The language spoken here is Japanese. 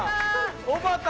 おばた！